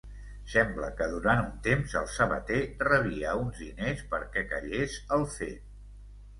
Sembla que durant un temps el sabater rebia uns diners perquè callés el fet.